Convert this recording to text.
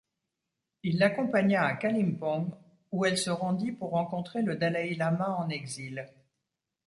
Il l'accompagna à Kalimpong où elle se rendit pour rencontrer le dalaï-lama en exil.